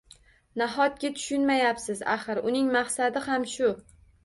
Nahotki tushunmayapsiz, axir uning maqsadi ham shu